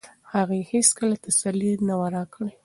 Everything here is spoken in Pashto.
هغې هیڅکله تسلي نه وه راکړې.